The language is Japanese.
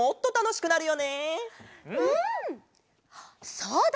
そうだ！